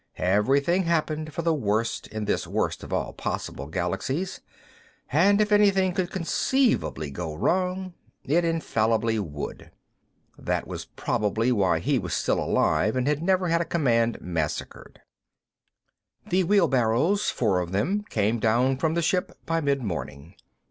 Everything happened for the worst in this worst of all possible galaxies, and if anything could conceivably go wrong, it infallibly would. That was probably why he was still alive and had never had a command massacred. The wheelbarrows, four of them, came down from the ship by midmorning.